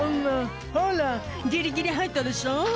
「ほらギリギリ入ったでしょ」